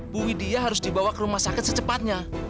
bu widia harus dibawa ke rumah sakit secepatnya